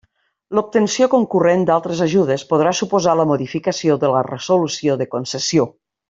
L'obtenció concurrent d'altres ajudes podrà suposar la modificació de la resolució de concessió.